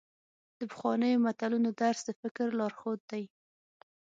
د پخوانیو متلونو درس د فکر لارښود دی.